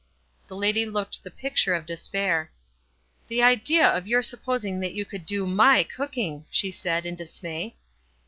The lady looked the picture of despair. "The idea of your supposing that you could do my cooking !" she said, in dismay.